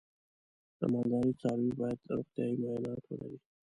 د مالدارۍ څاروی باید روغتیايي معاینات ولري.